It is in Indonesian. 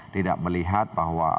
tidak melihat bahwa